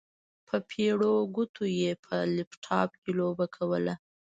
په پېړو ګوتو يې په لپټاپ کې لوبه کوله.